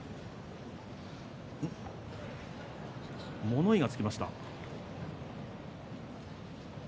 物言いがつきました。